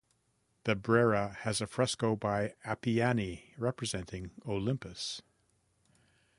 The Brera has a fresco by Appiani representing Olympus.